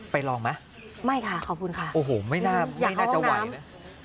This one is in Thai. ไปลองมั้ยไม่ค่ะขอบคุณค่ะโอ้โหไม่น่าจะไหวนะ